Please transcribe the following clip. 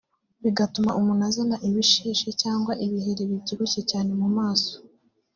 bigatuma umuntu azana ibishishi cyangwa ibiheri bibyibushye cyane mu maso